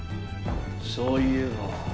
そういえば。